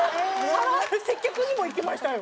接客にも行きましたよ。